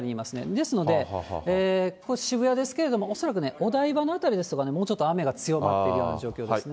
ですので、ここ渋谷ですけれども、恐らくね、お台場の辺りですとか、もうちょっと雨が強まっているような状況ですね。